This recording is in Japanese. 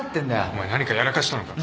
お前何かやらかしたのか。